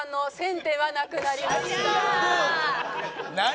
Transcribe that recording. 何？